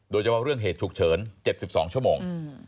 โดยเฉพาะเรื่องเหตุฉุกเฉิน๗๒ชั่วโมง